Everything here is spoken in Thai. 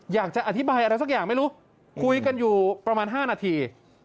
อยากจะอธิบายอะไรสักอย่างไม่รู้คุยกันอยู่ประมาณ๕นาที